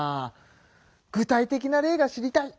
具体的な例が知りたい。